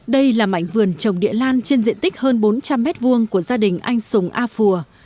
đây là mảnh vườn trồng địa lan trên diện tích hơn bốn trăm linh m hai của gia đình anh sùng a phùa